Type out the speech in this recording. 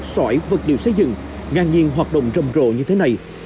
xoải vật điều xây dựng ngàn nhiên hoạt động rầm rộ như thế này